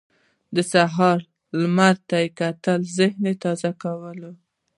د سهار لمر ته کتل ذهن تازه کوي.